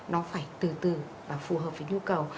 nó phải từ từ và phù hợp với nhu cầu